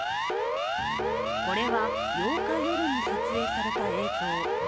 これは８日夜に撮影された映像。